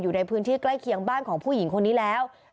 อยู่ในพื้นที่ใกล้เคียงบ้านของผู้หญิงคนนี้แล้ว